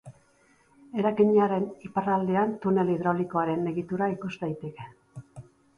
Eraikinaren iparraldean, tunel hidraulikoaren egitura ikus daiteke.